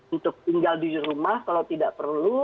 untuk tinggal di rumah kalau tidak perlu